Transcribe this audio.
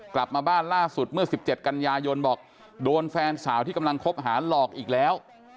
กลับมาบ้านล่าสุดเมื่อ๑๗กันยายนบอกโดนแฟนสาวที่กำลังคบหาหลอกอีกแล้ว